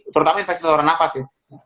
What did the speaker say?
terutama infeksi saluran nafas ya